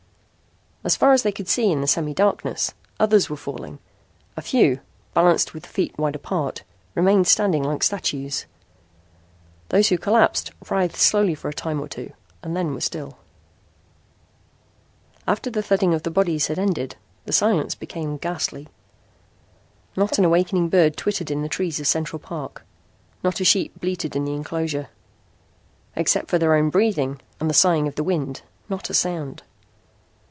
As far as they could see in the semidarkness, others were falling. A few, balanced with feet wide apart, remained standing like statues. Those who collapsed writhed slowly a time or two and were still. After the thudding of the bodies had ended the silence became ghastly. Not an awakening bird twittered in the trees of Central Park. Not a sheep bleated in the inclosure. Except for their own breathing and the sighing of the wind, not a sound!